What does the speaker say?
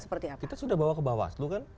seperti apa kita sudah bawa ke bawah